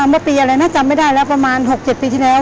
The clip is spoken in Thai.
เมื่อปีอะไรนะจำไม่ได้แล้วประมาณ๖๗ปีที่แล้ว